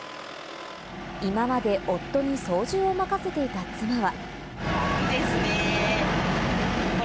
今まで夫に操縦を任せていた妻は。